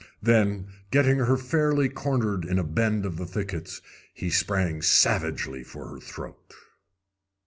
Then, getting her fairly cornered in a bend of the thickets, he sprang savagely for her throat.